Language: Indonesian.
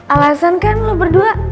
alasan kan lu berdua